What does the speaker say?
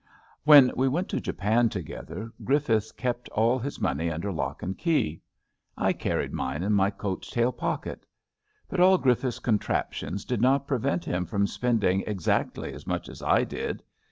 When we went to Japan together, Griffiths kept all his money under lock and key. I carried mine in my coat tail pocket. But all Griffiths' contrap tions did not prevent him from spending exactly as much as I did.